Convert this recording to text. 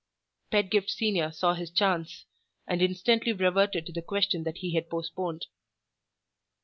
Pedgift Senior saw his chance, and instantly reverted to the question that he had postponed.